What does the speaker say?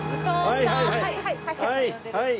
はいはい。